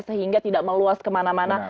sehingga tidak meluas kemana mana